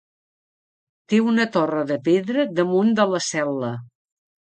Té una torre de pedra damunt de la cel·la.